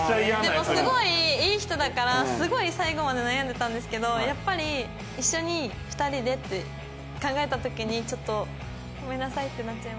でもすごいいい人だからすごい最後まで悩んでたんですけどやっぱり一緒に２人でって考えた時にちょっとごめんなさいってなっちゃいました。